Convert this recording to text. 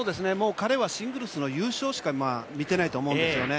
彼はシングルスの優勝しか見てないと思うんですよね。